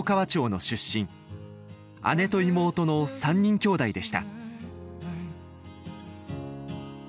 姉と妹の３人きょうだいでした。